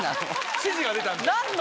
指示が出たんで。